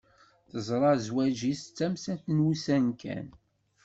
Teẓra zwaǧ-is d tamsalt n wussan kan.